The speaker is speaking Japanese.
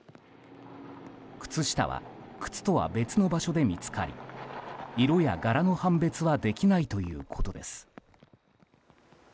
靴下は靴とは別の場所で見つかり色や柄の判別はできないということです。